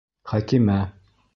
Хәкимә!